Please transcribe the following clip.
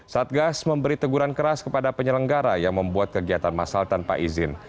satgas memberi teguran keras kepada penyelenggara yang membuat kegiatan masal tanpa izin